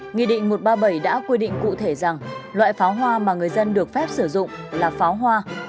nghị định một trăm ba mươi bảy đã quy định cụ thể rằng loại pháo hoa mà người dân được phép sử dụng là pháo hoa